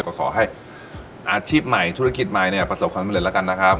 ก็ขอให้อาชีพใหม่ธุรกิจใหม่เนี่ยประสบความสำเร็จแล้วกันนะครับ